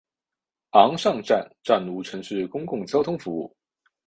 昂尚站暂无城市公共交通服务。